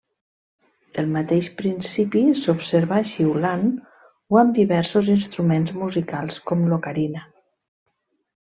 El mateix principi s'observa xiulant o amb diversos instruments musicals com l'ocarina.